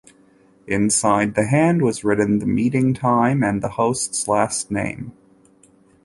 Inside the hand was written the meeting time and the host's last name.